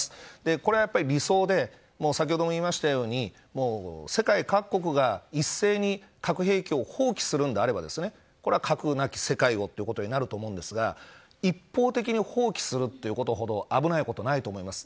これはやっぱり理想で先ほども言いましたように世界各国が一斉に核兵器を放棄するのであれば核なき世界をということになると思うんですが一方的に放棄するということほど危ないことはないと思います。